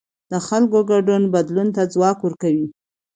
د خلکو ګډون بدلون ته ځواک ورکوي